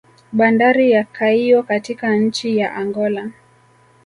Bandari ya Caio katika nchi ya Angola